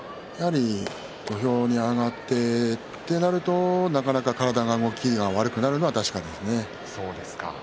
土俵に上がってとなるとなかなか体の動きが悪くなるのは確かですね。